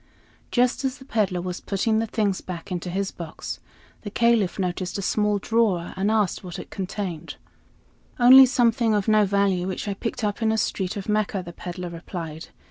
Just as the peddler was putting the things back into his box, the Caliph noticed a small drawer and asked what it contained. "Only something of no value, which I picked up in a street of Mecca," the peddler replied.